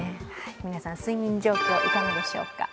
皆さん睡眠状況いかがでしょうか。